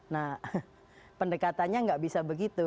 nah pendekatannya nggak bisa begitu